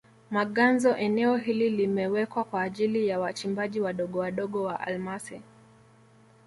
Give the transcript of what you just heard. Maganzo eneo hili limewekwa kwa ajili ya wachimbaji wadogowadogo wa almasi